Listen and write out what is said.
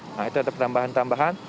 nah itu ada penambahan tambahan